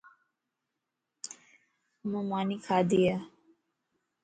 اما ماني کادايَ؟